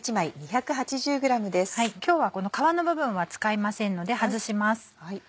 今日はこの皮の部分は使いませんので外します。